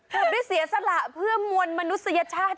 ทำได้เสียสละเพื่อมวลมนุษยชาติ